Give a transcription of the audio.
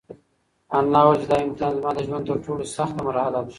انا وویل چې دا امتحان زما د ژوند تر ټولو سخته مرحله ده.